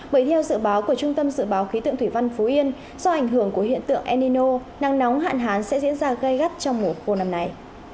bởi theo dự báo của trung tâm dự báo khí tượng thủy văn phú yên do ảnh hưởng của hiện tượng enino năng nóng hạn hán sẽ diễn ra gây gắt trong mùa khô năm nay